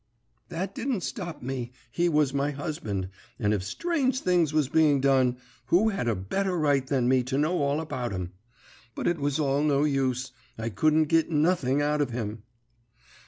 "That didn't stop me; he was my husband, and if strange things was being done, who had a better right than me to know all about 'em? But it was all no use; I couldn't git nothing out of him.